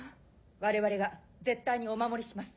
我々が絶対にお守りします。